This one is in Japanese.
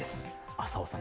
浅尾さん